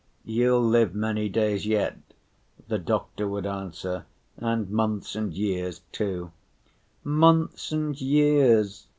"You'll live many days yet," the doctor would answer, "and months and years too." "Months and years!"